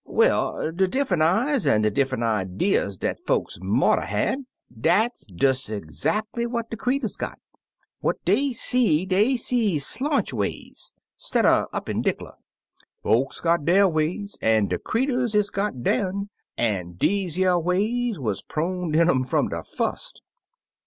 Well, de difFunt eyes an*^ de diffunt idees dat folks mought 'a' had, dat des zackly what de creeturs got. What dey see dey see slonchways, stidder upen dickler. Folks got der ways, an' de creeturs is got der'n, an' deze yer ways wuz proned in um fum de fust.